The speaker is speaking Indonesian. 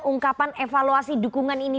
ungkapan evaluasi dukungan ini